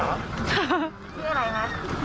เพียงอะไรคะ